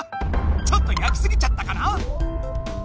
ちょっと焼きすぎちゃったかな。